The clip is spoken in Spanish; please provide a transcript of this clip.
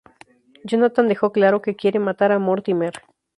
Jonathan deja claro que quiere matar a Mortimer.